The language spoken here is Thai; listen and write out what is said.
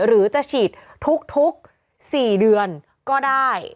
หรือจะฉีดทุก๔เดือนก็ได้